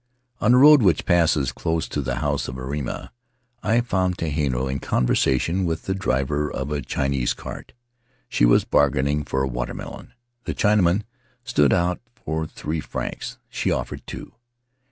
On the road which passes close to the house of Airima I found Tehinatu in conversation with the driver of a In the Valley of Vaitia Chinese cart. She was bargaining for a watermelon ; the Chinaman stood out for three francs — she offered two.